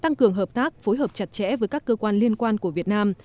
tăng cường hợp tác phối hợp chặt chẽ với các cơ quan liên quan của việt nam